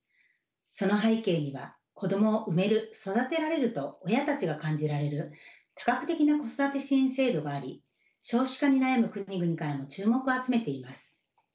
その背景には子どもを産める育てられると親たちが感じられる多角的な子育て支援制度があり少子化に悩む国々からの注目を集めています。